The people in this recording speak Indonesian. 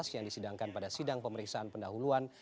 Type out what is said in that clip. yang disidangkan pada sidang pemeriksaan pendahuluan